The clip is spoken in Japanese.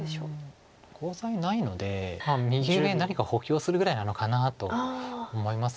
コウ材ないので右上何か補強するぐらいなのかなと思います。